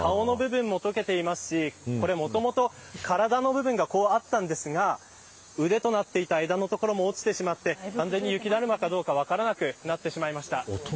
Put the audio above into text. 顔の部分も解けていますしもともと体の部分があったんですが腕となっていた枝の所も落ちてしまって完全に雪だるまかどうか分からなくなってしまいました。